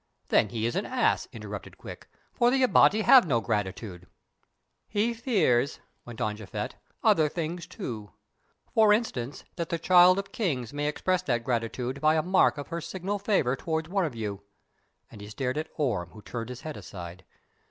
"Then he is an ass!" interrupted Quick; "for the Abati have no gratitude." "He fears," went on Japhet, "other things also. For instance, that the Child of Kings may express that gratitude by a mark of her signal favour toward one of you," and he stared at Orme, who turned his head aside.